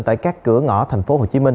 tại các cửa ngõ tp hcm